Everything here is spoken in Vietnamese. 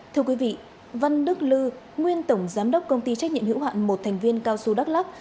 thưa quý vị văn đức lư nguyên tổng giám đốc công ty trách nhiệm hữu hạn một thành viên cao su đắk lắc